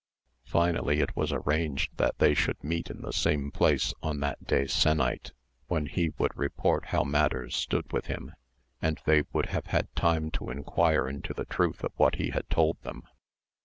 Finally, it was arranged that they should meet in the same place on that day sennight, when he would report how matters stood with him, and they would have had time to inquire into the truth of what he had told them.